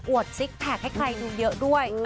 ซิกแพคให้ใครดูเยอะด้วย